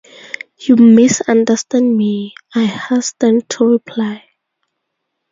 "You misunderstand me," I hastened to reply.